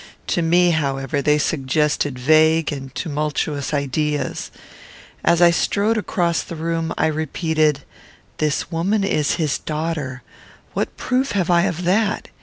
To me, however, they suggested vague and tumultuous ideas. As I strode across the room I repeated, "This woman is his daughter. What proof have I of that?